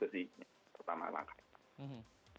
itu sih pertama langkah